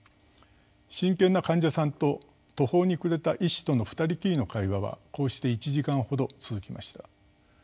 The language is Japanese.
真剣な患者さんと途方に暮れた医師との二人きりの会話はこうして１時間ほど続きました。